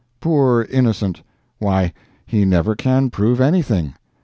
Poor innocent! Why, he never can prove anything.